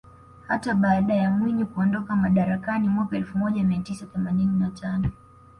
Hata baada ya Mwinyi kuondoka madarakani mwaka elfu moja mia tisa themanini na tano